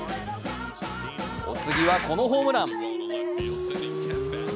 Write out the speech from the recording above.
お次はこのホームラン。